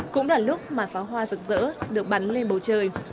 cũng là lúc mà pháo hoa rực rỡ được bắn lên bầu trời